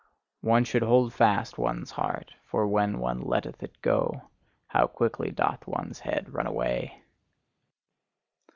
One should hold fast one's heart; for when one letteth it go, how quickly doth one's head run away!